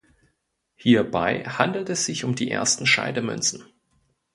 Hierbei handelt es sich um die ersten Scheidemünzen.